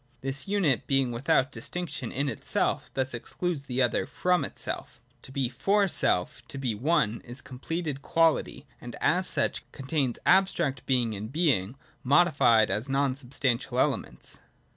This unit, being without dis tinction in itself, thus excludes the other from itself To be for self— to be one — is completed Quality, and as such, contains abstract Being and Being modified as non substantial elements.